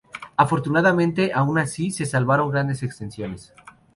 Afortunadamente, aun así se salvaron grandes extensiones.